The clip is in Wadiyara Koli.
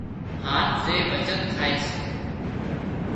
هانَ زي بچت ٿائي سي